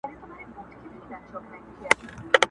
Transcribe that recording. په بدل کي دي غوايي دي را وژلي؛